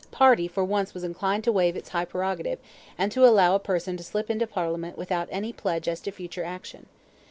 Party for once was inclined to waive its high prerogative, and to allow a person to slip into Parliament without any pledge as to future action.